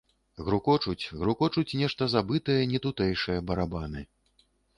Грукочуць, грукочуць нешта забытае, нетутэйшае барабаны.